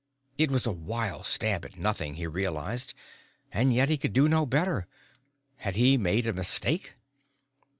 It was a wild stab at nothing, he realized, and yet he could do no better. Had he made a mistake?